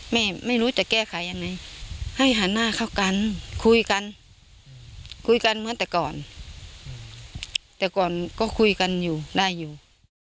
ไม่รู้จะแก้ไขยังไงให้หันหน้าเข้ากันคุยกันคุยกันเหมือนแต่ก่อนแต่ก่อนก็คุยกันอยู่ได้อยู่